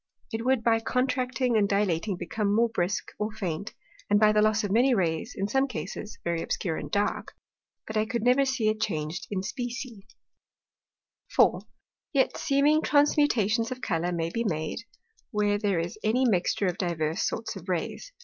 It would by contracting and dilating become more brisk, or faint, and by the loss of many Rays in some Cases very obscure and dark; but I could never see it chang'd in specie. 4. Yet seeming Transmutations of Colours may be made, where there is any mixture of divers sorts of Rays.